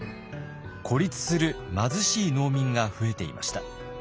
孤立する貧しい農民が増えていました。